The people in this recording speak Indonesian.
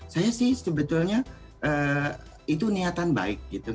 saya sih sebetulnya itu niatan baik gitu